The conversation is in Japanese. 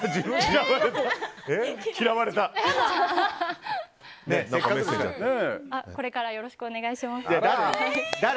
雄太、これからもよろしくお願いします。